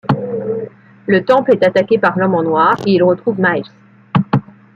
Le temple est attaqué par l'homme en noir et ils retrouvent Miles.